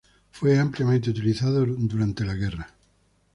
Fue ampliamente utilizado durante la guerra.